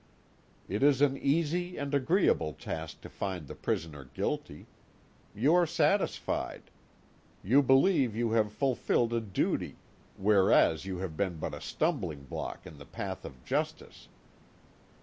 It is an easy and agreeable task to find the prisoner guilty. You are satisfied. You believe you have fulfilled a duty, whereas you have been but a stumbling block in the path of justice."